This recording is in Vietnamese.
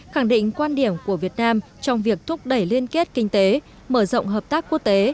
khẳng định quan điểm của việt nam trong việc thúc đẩy liên kết kinh tế mở rộng hợp tác quốc tế